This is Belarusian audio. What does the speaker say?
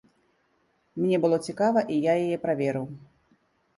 Мне было цікава, і я яе праверыў.